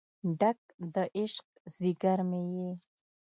ډک د عشق ځیګر مې یې